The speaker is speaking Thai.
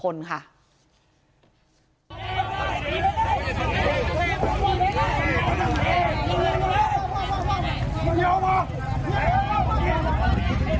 ตอนนี้ก็ไม่มีอัศวินทรีย์ที่สุดขึ้นแต่ก็ไม่มีอัศวินทรีย์ที่สุดขึ้น